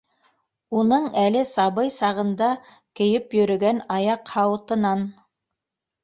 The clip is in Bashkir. Уның әле сабый сағында кейеп йөрөгән аяҡ һауытынан.